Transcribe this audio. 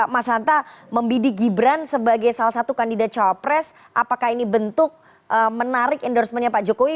mas hanta membidik gibran sebagai salah satu kandidat cawapres apakah ini bentuk menarik endorsementnya pak jokowi